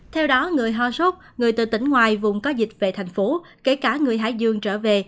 theo đó người ho sốt người từ tỉnh ngoài vùng có dịch về thành phố kể cả người hải dương trở về